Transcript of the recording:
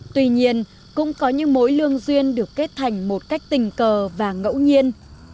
tuy nhiên cũng có những mối lương duyên được kết thành một cách tình cờ và ngẫu nhiên